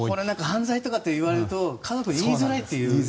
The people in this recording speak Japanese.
犯罪とか言われると家族に言いづらいという。